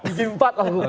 gigim empat lah